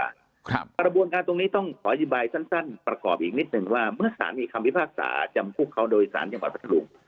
ใส่บ่ายสั้นประกอบอีกนิดนึงว่าเมื่อสารมีคัมวิภาคศาจำพุกเค้าโดยสารยังบรรทหรุ่ง